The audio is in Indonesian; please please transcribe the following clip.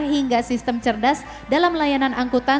hingga sistem cerdas dalam layanan angkutan